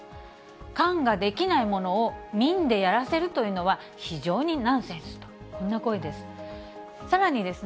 官ができないものを、民でやらせるというのは、非常にナンセンスと、こんな声です。